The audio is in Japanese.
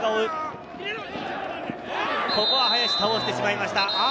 林、倒してしまいました。